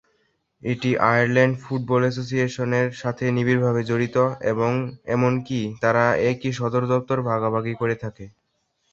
এটি Ireland football অ্যাসোসিয়েশনের সাথে নিবিড়ভাবে জড়িত এবং এমনকি তারা একই সদর দপ্তর ভাগাভাগি করে থাকে।